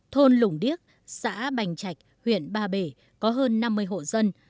thôn lũng điếc xã bành trạch huyện ba bể có hơn năm mươi hộ dân